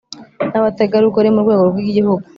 N abategarugori mu rwego rw igihugu